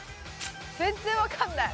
全然わかんない。